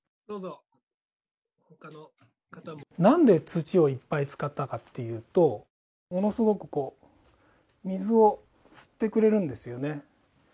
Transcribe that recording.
なんで土をいっぱい使ったかっていうとものすごくこう水を吸ってくれるんですよね。